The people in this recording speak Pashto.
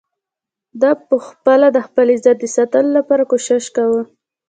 ده په خپله د خپل عزت د ساتلو لپاره کوشش کاوه.